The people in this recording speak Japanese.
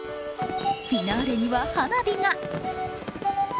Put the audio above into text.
フィナーレには花火が。